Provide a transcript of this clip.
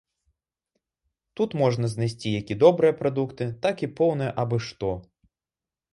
Тут можна знайсці як добрыя прадукты, так і поўнае абы што.